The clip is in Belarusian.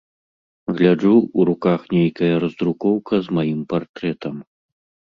Гляджу, у руках нейкая раздрукоўка з маім партрэтам.